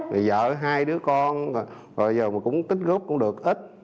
thì vợ hai đứa con rồi giờ mà cũng tích gốc cũng được ít